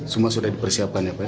semua sudah dipersiapkan ya pak